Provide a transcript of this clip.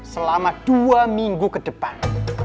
selama dua minggu ke depan